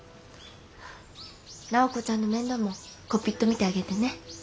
直子ちゃんの面倒もこぴっと見てあげてね。